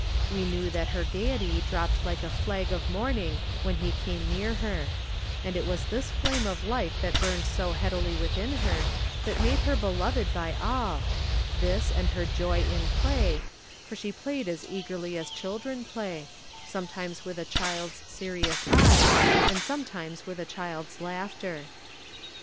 We knew that her gaiety dropped like a fl^^g of mourning when he came near her; and it was this flame of life that burned so 80 Digitized by Google THE NINTH MAN headily within her that made her beloved by all, this and her joy in play, for she played as eagerly as children play, some times with a child's serious eyes and some times with a child's laughter.